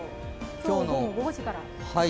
今日午後５時から。